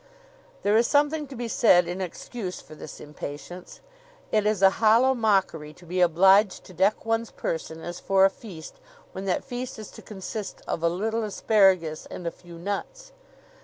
There is something to be said in excuse for this impatience: It is a hollow mockery to be obliged to deck one's person as for a feast when that feast is to consist of a little asparagus and a few nuts.